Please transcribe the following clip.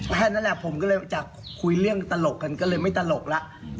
แค่นั้นแหละผมก็เลยจากคุยเรื่องตลกกันก็เลยไม่ตลกแล้ว